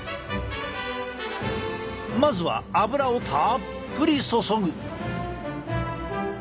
まずは油をたっぷり注ぐ。